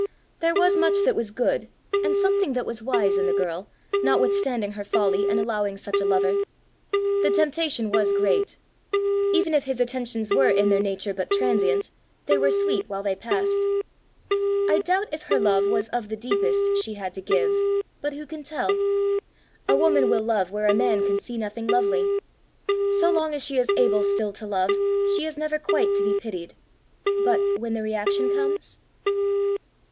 There was much that was good, and something that was wise in the girl, notwithstanding her folly in allowing such a lover. The temptation was great: even if his attentions were in their nature but transient, they were sweet while they passed. I doubt if her love was of the deepest she had to give; but who can tell? A woman will love where a man can see nothing lovely. So long as she is able still to love, she is never quite to be pitied; but when the reaction comes